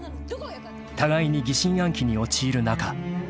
［互いに疑心暗鬼に陥る中］